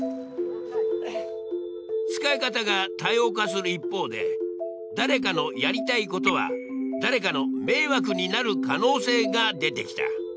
使い方が多様化する一方で誰かのやりたいことは誰かの迷惑になる可能性が出てきた。